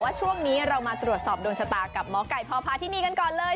ว่าช่วงนี้เรามาตรวจสอบโดนชะตากับมไก่พพาทีนีกันก่อนเลย